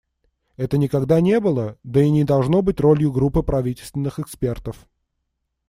Это никогда не было, да и не должно быть ролью группы правительственных экспертов.